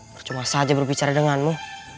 berjuang saja berbicara denganmu